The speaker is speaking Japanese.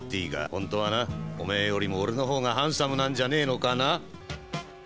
本当はな、おめぇよりも俺のほうがハンサムなんじゃねえのかな。